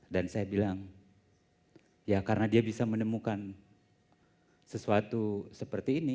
dan saya bilang ya karena dia bisa menemukan sesuatu seperti ini